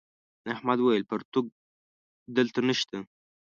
احمد وويل: پرتوگ دلته نشته.